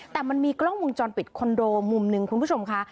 แต่มันมีกล้องวงจรปิดคอนโดมุมหนึ่งคุณผู้ชมค่ะ